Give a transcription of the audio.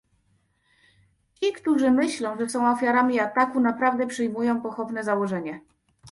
Ci, którzy myślą, że są obiektami ataku naprawdę przyjmują pochopne założenie